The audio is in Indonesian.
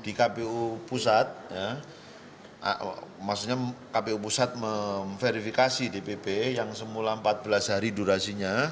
di kpu pusat maksudnya kpu pusat memverifikasi dpp yang semula empat belas hari durasinya